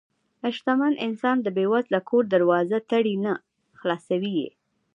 شتمن انسان د بې وزله کور دروازه تړي نه، خلاصوي یې.